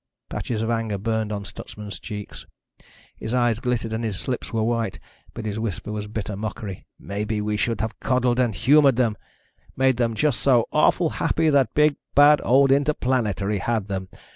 Patches of anger burned on Stutsman's cheeks. His eyes glittered and his lips were white. But his whisper was bitter mockery. "Maybe we should have coddled and humored them. Made them just so awful happy that big bad old Interplanetary had them.